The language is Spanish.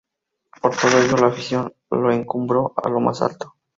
Por todo ello, la afición lo encumbró a lo más alto.